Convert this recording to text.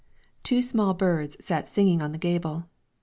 ] Two small birds sat singing on the gable.